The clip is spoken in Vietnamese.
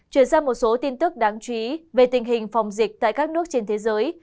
chuyển sang một số tin tức đáng chú ý về tình hình phòng dịch tại các nước trên thế giới